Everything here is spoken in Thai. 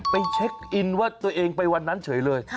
ไปเช็คอินว่าตัวเองไปวันนั้นเฉยเลย